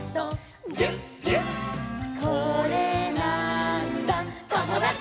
「これなーんだ『ともだち！』」